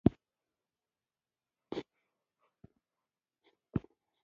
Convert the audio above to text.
افغانستان د قومونه په برخه کې نړیوالو بنسټونو سره کار کوي.